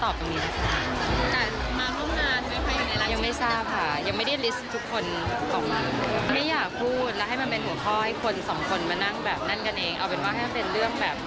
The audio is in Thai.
เตรียมทุกเพื่อนเจ้าสาวอะไรกันอยู่